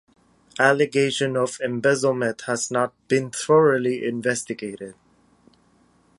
Allegation of embezzlement has not been thoroughly investigated.